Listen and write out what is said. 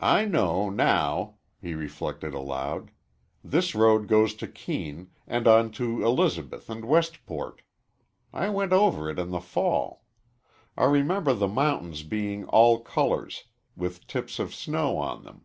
"I know, now," he reflected aloud. "This road goes to Keene, and on to Elizabeth and Westport. I went over it in the fall. I remember the mountains being all colors, with tips of snow on them."